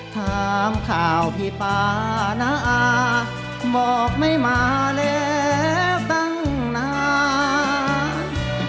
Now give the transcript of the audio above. ถามข่าวพี่ป่าน้าอาบอกไม่มาแล้วตั้งนาน